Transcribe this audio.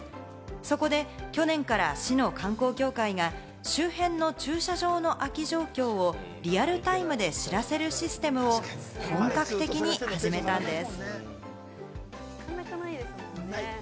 そこで去年から市の観光協会が周辺の駐車場の空き状況をリアルタイムで知らせるシステムを本格的に始めたんです。